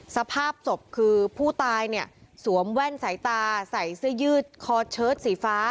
สภาพศพคือผู้ตายเนี่ยสวมแว่นสายตาใส่เสื้อยืดคอเชิดสีฟ้า